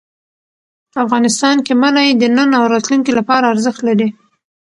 افغانستان کې منی د نن او راتلونکي لپاره ارزښت لري.